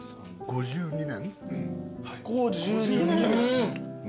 ５２年。